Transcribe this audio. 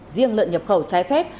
riêng lợi nhập khẩu trái phép